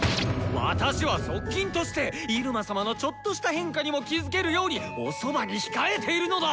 私は側近として入間様のちょっとした変化にも気付けるようにおそばに控えているのだ！